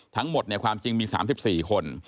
ทั้งหมดความจริงมี๓๔คน